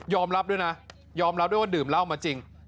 รับด้วยนะยอมรับด้วยว่าดื่มเหล้ามาจริง